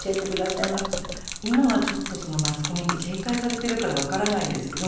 今はちょっとマスコミって警戒されているからわからないんですけど。